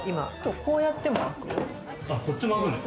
こうやっても開く。